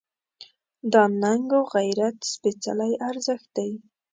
دا ننګ و غیرت سپېڅلی ارزښت دی.